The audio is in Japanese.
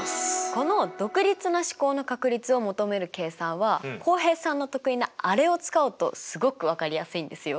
この独立な試行の確率を求める計算は浩平さんの得意なあれを使うとすごく分かりやすいんですよ。